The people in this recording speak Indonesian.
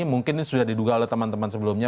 mungkin ini sudah diduga oleh teman teman sebelumnya